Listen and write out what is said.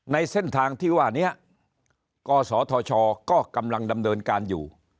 ในเส้นทางที่ว่านี้กศธชก็กำลังดำเนินการอยู่